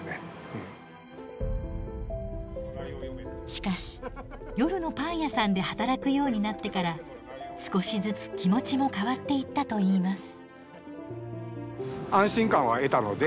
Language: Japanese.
しかし夜のパン屋さんで働くようになってから少しずつ気持ちも変わっていったといいます。